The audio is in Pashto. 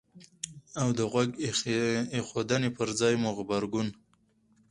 او د غوږ ایښودنې په ځای مو غبرګون